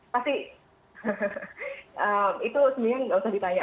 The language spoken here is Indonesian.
pasti itu sebenarnya nggak usah ditanya